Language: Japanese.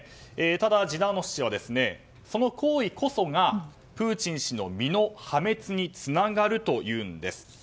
ただ、ジダーノフ氏はその行為こそがプーチン氏の身の破滅につながるというんです。